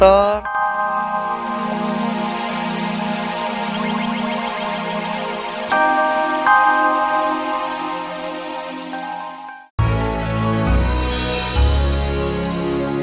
kamu gak boet kamu jahe